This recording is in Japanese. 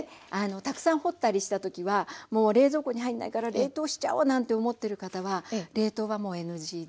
たくさん掘ったりした時はもう冷蔵庫に入んないから冷凍しちゃおうなんて思ってる方は冷凍はもうＮＧで。